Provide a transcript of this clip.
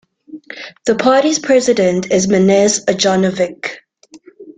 The party's president is Mirnes Ajanovic.